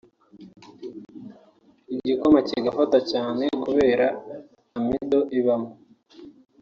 igikoma kigafata cyane (kubera amido ibamo)